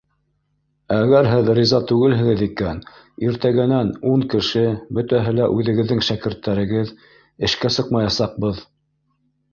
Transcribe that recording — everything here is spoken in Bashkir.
— Әгәр һеҙ риза түгелһегеҙ икән, иртәгәнән ун кеше, бөтәһе лә үҙегеҙҙең шәкерттәрегеҙ, эшкә сыҡмаясаҡбыҙ